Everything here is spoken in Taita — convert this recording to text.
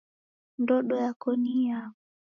Ndodo yako ni iyao?